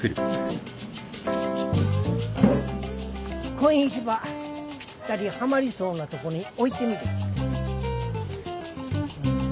こん石ばぴったりはまりそうなとこに置いてみれ。